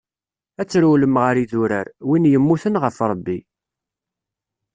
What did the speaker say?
Ad trewlem ɣer yidurar, win yemmuten ɣef Ṛebbi.